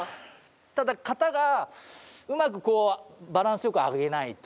ただ型がうまくこうバランス良く上げないと。